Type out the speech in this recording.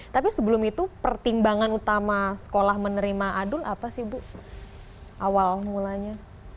tapi sebelum itu pertimbangan utama sekolah menerima adul apa sih bu awal mulanya